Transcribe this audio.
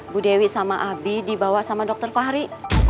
bu dewi sama abi dibawa sama dokter fahri